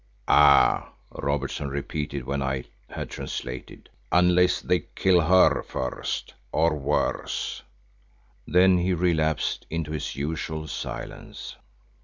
"Ah!" Robertson repeated when I had translated, "unless they kill her first—or worse." Then he relapsed into his usual silence.